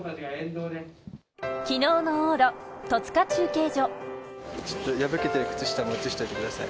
昨日の往路、戸塚中継所。